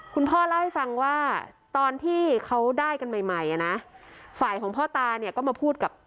คุณพ่อเล่าให้ฟังว่าตอนที่เขาได้กันใหม่ใหม่อ่ะนะฝ่ายของพ่อตาเนี่ยก็มาพูดกับ